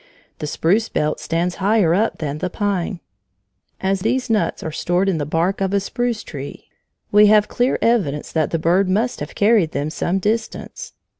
The spruce belt stands higher up than the pine. As these nuts are stored in the bark of a spruce tree, we have clear evidence that the bird must have carried them some distance.